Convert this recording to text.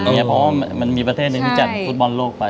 เพราะมันมีประเทศปัจจัดฟูตบอลโลกไป